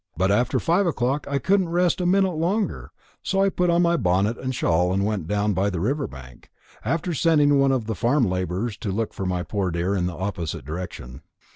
But after five o'clock I couldn't rest a minute longer; so I put on my bonnet and shawl and went down by the river bank, after sending one of the farm labourers to look for my poor dear in the opposite direction.